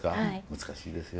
難しいですよ。